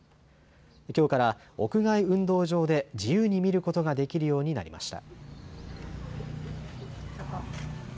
きょうから屋外運動場で自由に見ることができるようになりました。